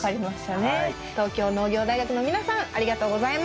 東京農業大学の皆さんありがとうございました。